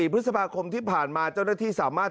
พฤษภาคมที่ผ่านมาเจ้าหน้าที่สามารถ